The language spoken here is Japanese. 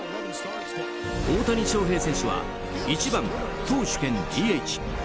大谷翔平選手は１番、投手兼ＤＨ。